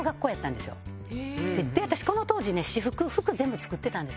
私この当時ね私服服全部作ってたんです。